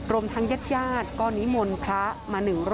รวมทั้งญาติก็นิมนต์พระมาหนึ่งร้อน